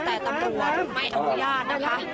แต่ตำรวจไม่อนุญาตนะคะ